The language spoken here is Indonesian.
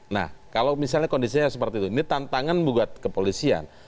nah kalau misalnya kondisinya seperti itu ini tantangan buat kepolisian